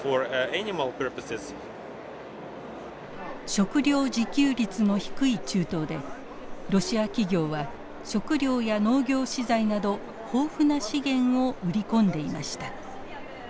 食料自給率の低い中東でロシア企業は食料や農業資材など豊富な資源を売り込んでいました。